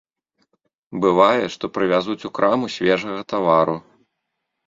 Бывае, што прывязуць у краму свежага тавару.